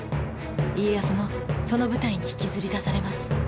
家康もその舞台に引きずり出されます。